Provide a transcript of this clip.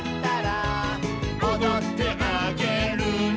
「おどってあげるね」